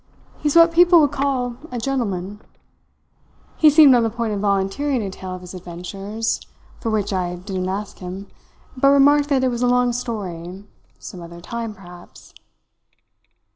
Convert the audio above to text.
He's what people would call a gentleman. He seemed on the point of volunteering a tale of his adventures for which I didn't ask him but remarked that it was a long story; some other time, perhaps.